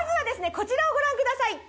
こちらをご覧ください！